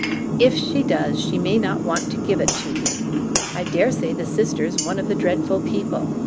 "If she does, she may not want to give it to you. I daresay the sister's one of the dreadful people.